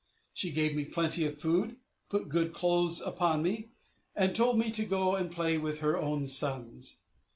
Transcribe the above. She gave me plenty of food, put good clothes upon me, and told me to go and play with her own sons.